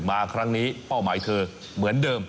มาครั้งนี้เป้าหมายเธอเหมือนเดิม